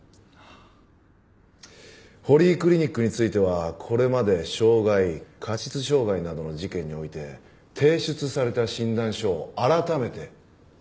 堀井クリニックについてはこれまで傷害過失傷害などの事件において提出された診断書を改めて調べ直しているところです。